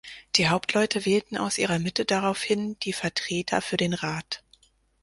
Die Hauptleute wählten aus ihrer Mitte daraufhin die Vertreter für den Rat.